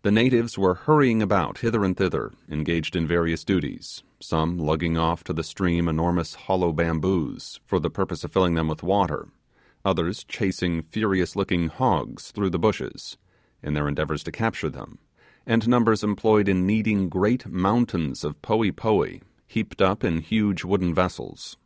The natives were hurrying about hither and thither, engaged in various duties, some lugging off to the stream enormous hollow bamboos, for the purpose of filling them with water; others chasing furious looking hogs through the bushes, in their endeavours to capture them; and numbers employed in kneading great mountains of poee poee heaped up in huge wooden vessels.